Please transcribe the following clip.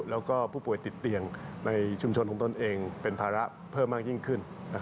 แล้วก็ผู้ป่วยติดเตียงในชุมชนของตนเองเป็นภาระเพิ่มมากยิ่งขึ้น